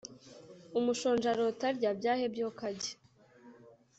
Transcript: umushonji arota arya byahe byokajya